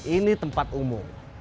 ini tempat umum